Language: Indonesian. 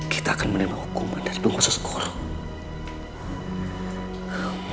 kita akan menerima hukuman dari pengkhusus korup